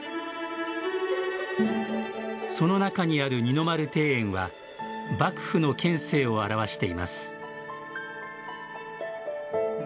その中にある二の丸庭園は幕府の権勢を表しています。